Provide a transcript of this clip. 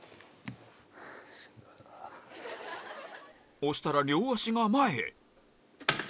押したら両足が前へ